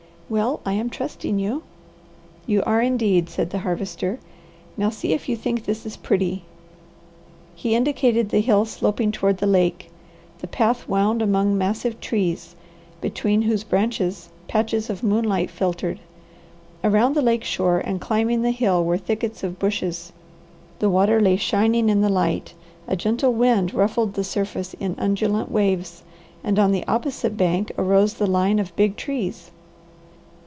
"Well, I am trusting you." "You are indeed," said the Harvester. "Now see if you think this is pretty." He indicated the hill sloping toward the lake. The path wound among massive trees, between whose branches patches of moonlight filtered. Around the lake shore and climbing the hill were thickets of bushes. The water lay shining in the light, a gentle wind ruffled the surface in undulant waves, and on the opposite bank arose the line of big trees.